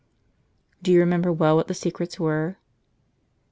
" Do you remember well what the secrets were